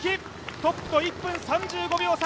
トップと１分３５秒差。